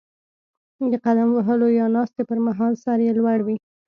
د قدم وهلو یا ناستې پر مهال سر یې لوړ وي.